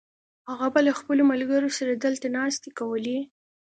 هغه به له خپلو ملګرو سره دلته ناستې کولې.